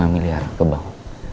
lima miliar ke bank